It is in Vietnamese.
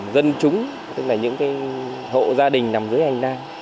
dân chúng tức là những hộ gia đình nằm dưới hành lang